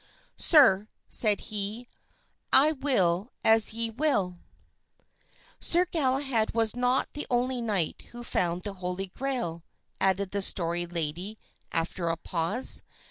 "Sir," said he, "I will as ye will." "Sir Galahad was not the only knight who found the Holy Grail," added the Story Lady after a pause.